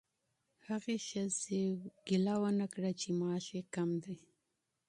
هغې ښځې شکایت ونه کړ چې معاش یې کم دی.